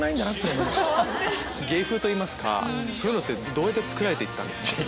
芸風といいますかそういうのってどうつくられてたんですか？